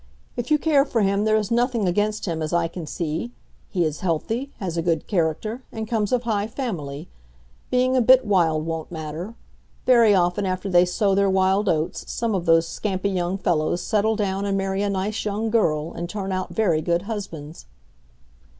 If you care for him there is nothing against him as I can see. He is healthy, has a good character, and comes of a high family. Being a bit wild won't matter. Very often, after they sow their wild oats, some of those scampy young fellows settle down and marry a nice young girl and turn out very good husbands."